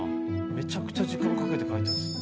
めちゃくちゃ時間かけて描いたんです。